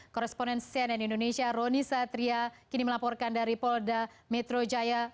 koresponen cnn indonesia roni satria kini melaporkan dari polda metro jaya